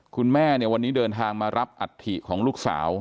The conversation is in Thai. คุณแม่เนี่ยวันนี้เดินทางมารับอัฐิของลูกสาว